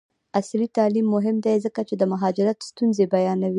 عصري تعلیم مهم دی ځکه چې د مهاجرت ستونزې بیانوي.